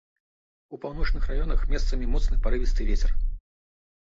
У паўночных раёнах месцамі моцны парывісты вецер.